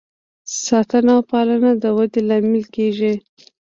ساتنه او پالنه د ودې لامل کیږي.